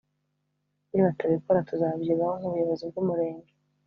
nibatabikora tuzabyigaho nk’Ubuyobozi bw’Umurenge